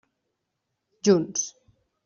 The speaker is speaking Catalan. Junts.